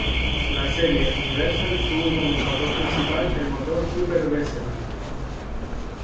La Serie Universal tuvo como motor principal el motor Cooper Bessemer.